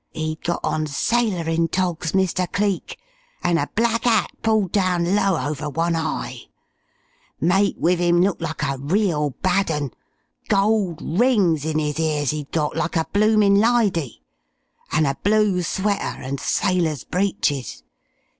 He'd got on sailorin' togs, Mr. Cleek, an' a black 'at pulled down low over one eye. Mate wiv 'im looked like a real bad 'un. Gold rings in 'is ears 'e'd got like a bloomin' lydy, an' a blue sweater, and sailor's breeches.